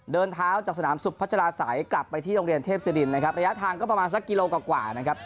เดินเท้าจากสนามสุขพัชราศัยกลับไปที่โรงเรียนเทพศิรินนะครับระยะทางก็ประมาณสักกิโลกว่านะครับ